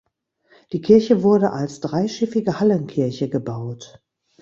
Die Kirche wurde als dreischiffige Hallenkirche gebaut.